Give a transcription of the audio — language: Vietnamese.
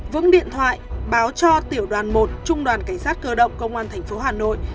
vững điện thoại báo cho tiểu đoàn một trung đoàn cảnh sát cơ động công an tp hà nội